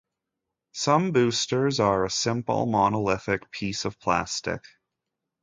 Some boosters are a simple monolithic piece of plastic.